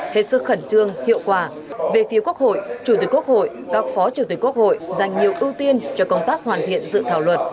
hết sức khẩn trương hiệu quả về phiếu quốc hội chủ tịch quốc hội các phó chủ tịch quốc hội dành nhiều ưu tiên cho công tác hoàn thiện dự thảo luật